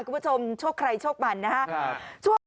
คุณผู้ชมโชคใครโชคมันนะครับ